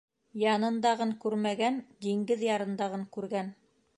Янындағын күрмәгән, диңгеҙ ярындағын күргән.